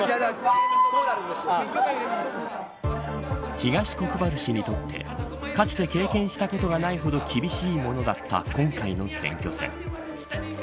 東国原氏にとってかつて経験したことがないほど厳しいものだった今回の選挙戦。